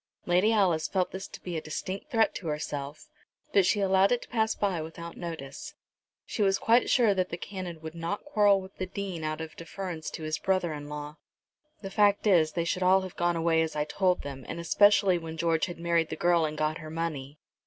Lady Alice felt this to be a distinct threat to herself, but she allowed it to pass by without notice. She was quite sure that the Canon would not quarrel with the Dean out of deference to his brother in law. "The fact is they should all have gone away as I told them, and especially when George had married the girl and got her money.